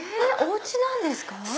お家なんですか？